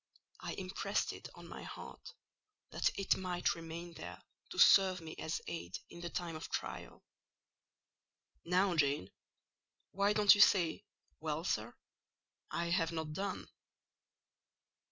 I impressed it on my heart, that it might remain there to serve me as aid in the time of trial. "Now, Jane, why don't you say 'Well, sir?' I have not done.